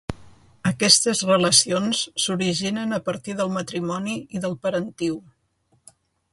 Aquestes relacions s'originen a partir del matrimoni i del parentiu.